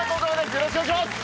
よろしくお願いします！